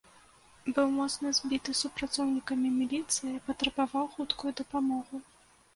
Быў моцна збіты супрацоўнікамі міліцыі, патрабаваў хуткую дапамогу.